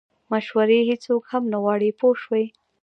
مشورې هیڅوک هم نه غواړي پوه شوې!.